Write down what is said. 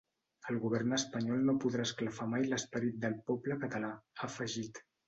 El govern espanyol no podrà esclafar mai l’esperit del poble català, ha afegit.